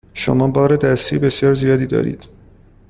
شما بار دستی بسیار زیادی دارید.